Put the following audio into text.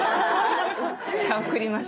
じゃあ送ります。